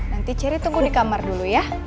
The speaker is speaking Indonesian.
nanti ciri tunggu di kamar dulu ya